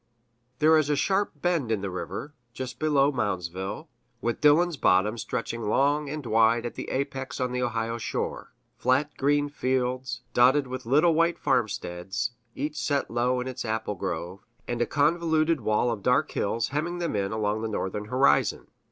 There is a sharp bend in the river, just below Moundsville, with Dillon's Bottom stretching long and wide at the apex on the Ohio shore flat green fields, dotted with little white farmsteads, each set low in its apple grove, and a convoluted wall of dark hills hemming them in along the northern horizon.